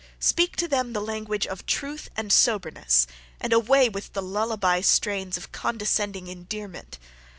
Speak to them the language of truth and soberness, and away with the lullaby strains of condescending endearment!